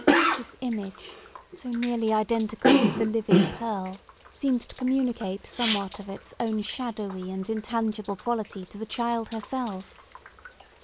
This image, so nearly identical with the living Pearl, seemed to communicate somewhat of its own shadowy and intangible quality to the child herself.